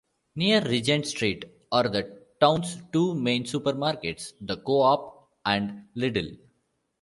Near Regent Street are the town's two main supermarkets, the Co-op and Lidl.